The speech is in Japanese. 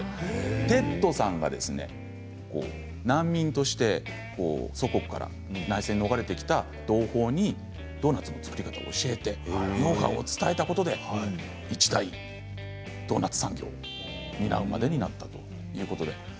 テッドさんが難民として祖国から内戦を逃れてきた同胞にドーナツの作り方を教えてノウハウを伝えたことで一大ドーナツ産業になるまでになったということで。